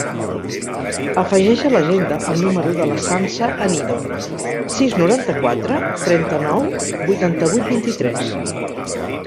Afegeix a l'agenda el número de la Sança Anido: sis, noranta-quatre, trenta-nou, vuitanta-vuit, vint-i-tres.